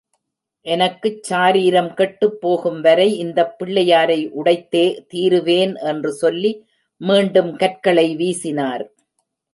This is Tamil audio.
எனக்குச் சாரீரம் கெட்டுப் போகும் வரை இந்தப் பிள்ளையாரை உடைத்தே தீருவேன் என்று சொல்லி மீண்டும் கற்களை வீசினார்.